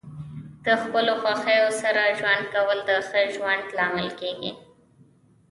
د خپلو خوښیو سره ژوند کول د ښه ژوند لامل کیږي.